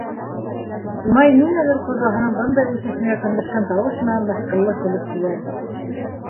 — Имай ниңәлер ҡоҙаһының бындай үҫешенә көнләшкән тауыш менән мыҫҡыллы көлөп һөйләне.